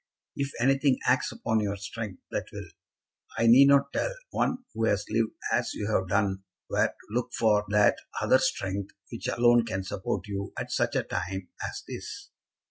If any thing acts upon your strength, that will. I need not tell one who has lived as you have done where to look for that other strength which alone can support you at such a time as this.